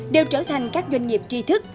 đều trở thành các doanh nghiệp tri thức